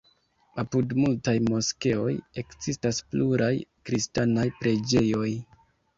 Apud multaj moskeoj ekzistas pluraj kristanaj preĝejoj.